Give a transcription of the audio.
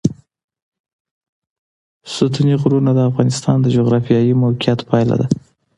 ستوني غرونه د افغانستان د جغرافیایي موقیعت پایله ده.